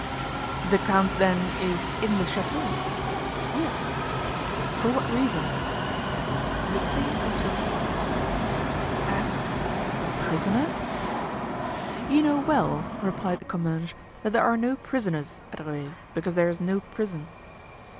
"The count, then, is in the chateau?" "Yes." "For what reason?" "The same as yourself." "Athos—a prisoner?" "You know well," replied De Comminges, "that there are no prisoners at Rueil, because there is no prison."